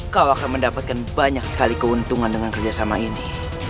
kau akan mendapatkan banyak sekali keuntungan dengan kerjasama ini